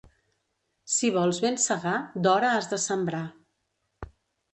Si vols ben segar, d'hora has de sembrar.